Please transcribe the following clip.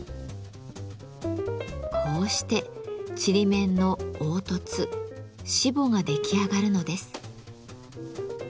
こうしてちりめんの凹凸しぼが出来上がるのです。